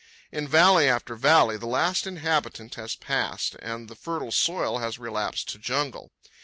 In valley after valley the last inhabitant has passed and the fertile soil has relapsed to jungle.